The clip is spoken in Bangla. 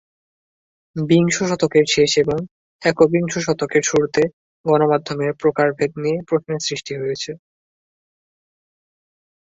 বিংশ শতকের শেষ এবং একবিংশ শতকের শুরুতে গণমাধ্যমের প্রকারভেদ নিয়ে প্রশ্নের সৃষ্টি হয়েছে।